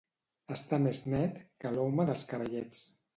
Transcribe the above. Estar més net que l'home dels cavallets.